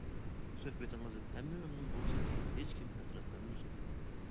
سۆھبىتىڭىزدىن ھەممە مەمنۇن بولسۇنكى، ھېچكىم ھەسرەتلەنمىسۇن.